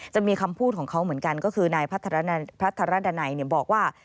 จะมีคำพูดของเขาเหมือนกันก็คือนายพัทรดันัยบอกว่า